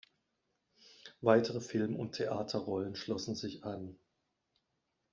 Weitere Film- und Theaterrollen schlossen sich an.